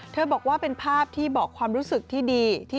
บอกว่าเป็นภาพที่บอกความรู้สึกที่ดี